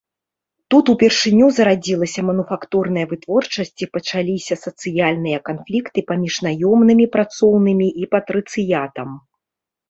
Тут упершыню зарадзілася мануфактурная вытворчасць і пачаліся сацыяльныя канфлікты паміж наёмнымі працоўнымі і патрыцыятам.